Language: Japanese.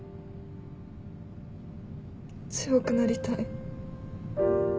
強くなりたい。